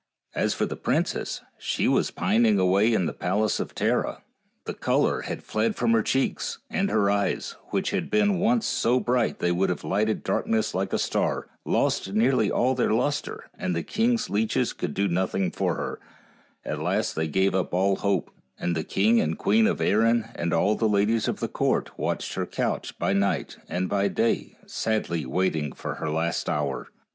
As for the princess, she was pining away in the palace of Tara, the color had fled from her cheeks, and her eyes, which had been once so bright they would have lighted darkness like a star, lost nearly all their luster, and the king's leeches could do nothing for her, and at last they gave up all hope, and the king and queen of Erin and the ladies of the court watched her couch by night and by day sadly waiting for her last hour.